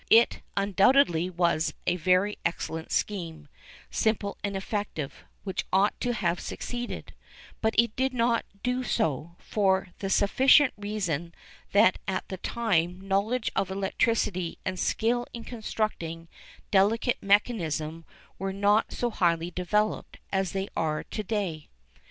It undoubtedly was a very excellent scheme, simple and effective, which ought to have succeeded; but it did not do so, for the sufficient reason that at that time knowledge of electricity and skill in constructing delicate mechanism were not so highly developed as they are to day.